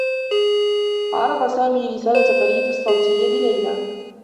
عرض سامي رسالة فريد الصّوتيّة لليلى.